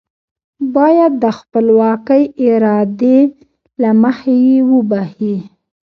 بايد د خپلواکې ارادې له مخې يې وبښي.